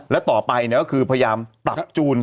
และต่อไปก็คือพยายามปรับจูน